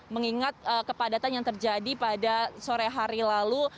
mengingat kepadatan yang terjadi pada sore hari lalu